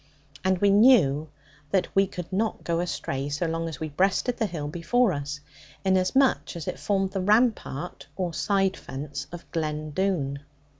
And we knew that we could not go astray, so long as we breasted the hill before us; inasmuch as it formed the rampart, or side fence of Glen Doone.